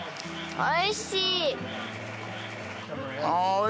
おいしい。